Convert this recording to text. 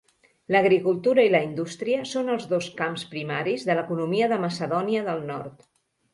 L'agricultura i la indústria són els dos camps primaris de l'economia de Macedònia del Nord.